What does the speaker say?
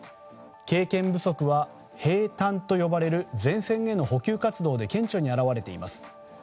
経験不足は兵站と呼ばれる前線への補給活動で顕著に表れています。